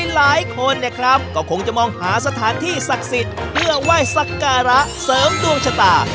หลายคนเนี่ยครับก็คงจะมองหาสถานที่ศักดิ์สิทธิ์เพื่อไหว้สักการะเสริมดวงชะตา